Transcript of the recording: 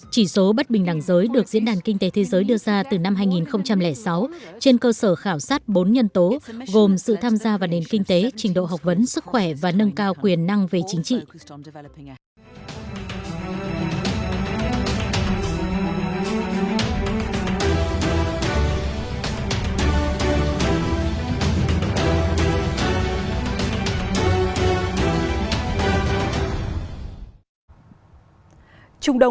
chỉ số bất bình đẳng giới được diễn đàn kinh tế thế giới đưa ra từ năm hai nghìn sáu trên cơ sở khảo sát bốn nhân tố gồm sự tham gia vào nền kinh tế trình độ học vấn sức khỏe và nâng cao quyền năng về chính trị